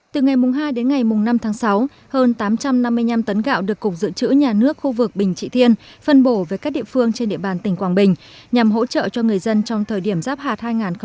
từ ngày hai đến ngày năm tháng sáu hơn tám trăm năm mươi năm tấn gạo được cục dự trữ nhà nước khu vực bình trị thiên phân bổ về các địa phương trên địa bàn tỉnh quảng bình nhằm hỗ trợ cho người dân trong thời điểm giáp hạt hai nghìn hai mươi